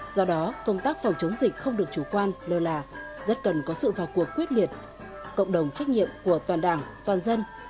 do đó công tác phòng chống dịch không được chủ quan lơ là rất cần có sự vào cuộc quyết liệt cộng đồng trách nhiệm của toàn đảng toàn dân